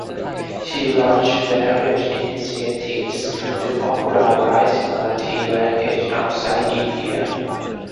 She launched various initiatives to popularize Marathi language outside India.